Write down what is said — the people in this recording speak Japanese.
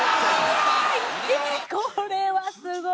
これはすごい。